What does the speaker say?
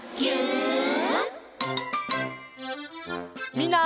みんな。